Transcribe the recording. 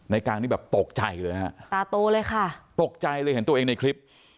กลางนี่แบบตกใจเลยฮะตาโตเลยค่ะตกใจเลยเห็นตัวเองในคลิป